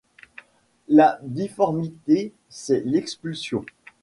La difformité, c’est l’expulsion.